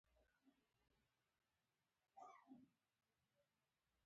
بېغمه اوسه.